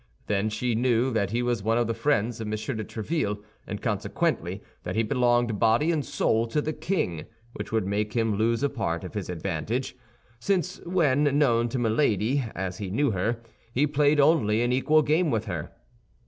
Then she knew that he was one of the friends of M. de Tréville, and consequently, that he belonged body and soul to the king; which would make him lose a part of his advantage, since when known to Milady as he knew her, he played only an equal game with her.